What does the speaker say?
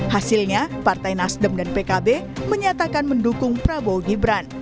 hasilnya partai nasdem dan pkb menyatakan mendukung prabowo gibran